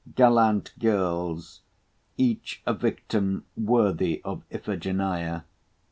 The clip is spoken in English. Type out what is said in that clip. Gallant girls! each a victim worthy of Iphigenia!